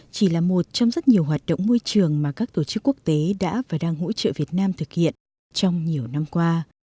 chỉ là một trong rất nhiều hoạt động môi trường mà các tổ chức quốc tế đã và đang hỗ trợ việt nam thực hiện trong nhiều năm qua